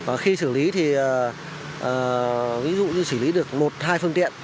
và khi xử lý thì ví dụ như xử lý được một hai phương tiện